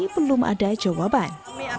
belum ada jawaban